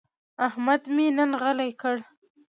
احمد مې نن غلی کړ.